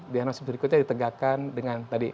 dia masih berikutnya ditegakkan dengan tadi